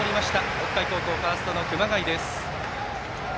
北海高校、ファーストの熊谷です。